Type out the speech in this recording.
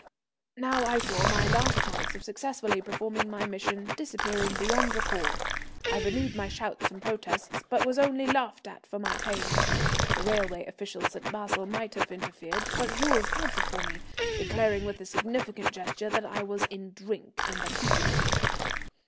Now I saw my last chance of successfully performing my mission disappearing beyond recall. I renewed my shouts and protests, but was only laughed at for my pains. The railway officials at Basle might have interfered, but Jules answered for me, declaring with a significant gesture that I was in drink and that he would see to me.